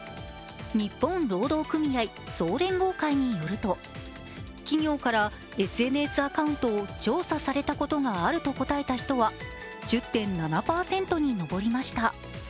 日本労働組合総連合会によると企業からＳＮＳアカウントを調査されたことがあると答えた人は１０．７％に上りました。